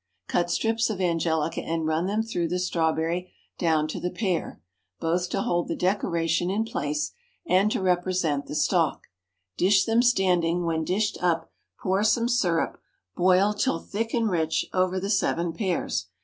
Cut strips of angelica and run them through the strawberry down to the pear, both to hold the decoration in place and to represent the stalk; dish them standing; when dished up, pour some syrup, boiled till thick and rich, over the seven pears.